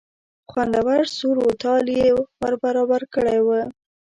خوندور سور و تال یې ور برابر کړی و.